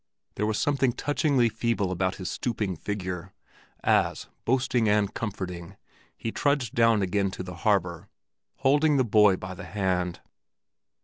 There was something touchingly feeble about his stooping figure, as, boasting and comforting, he trudged down again to the harbor holding the boy by the hand.